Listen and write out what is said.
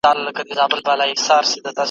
وئېل ئې چې ناياب نۀ دی خو ډېر ئې پۀ ارمان دي `